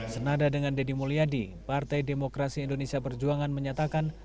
senada dengan deddy mulyadi partai demokrasi indonesia perjuangan menyatakan